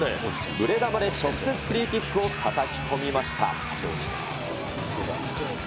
ブレ球で直接フリーキックをたたき込みました。